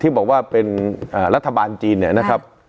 บอกว่าเป็นรัฐบาลจีนเนี่ยนะครับ